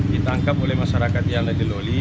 ditangkap oleh masyarakat yang lege loli